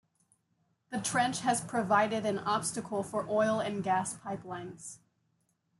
The trench has provided an obstacle for oil and gas pipelines.